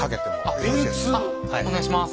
お願いします。